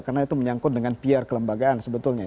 karena itu menyangkut dengan pr kelembagaan sebetulnya